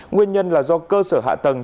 nguyên nhân là do cơ sở hạ tầng